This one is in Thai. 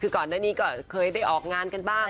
คือก่อนหน้านี้ก็เคยได้ออกงานกันบ้าง